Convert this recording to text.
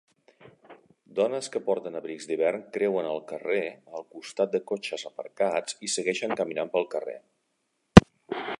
Dones que porten abrics d'hivern creuen el carrer al costat de cotxes aparcats i segueixen caminant pel carrer